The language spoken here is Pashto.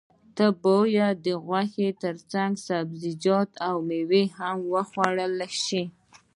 نه باید د غوښې ترڅنګ سبزیجات او میوه هم وخوړل شي